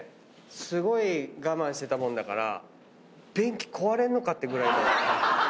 すごい我慢してたもんだから便器壊れんのかってぐらいの。